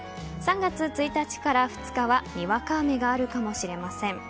３月１日から２日はにわか雨があるかもしれません。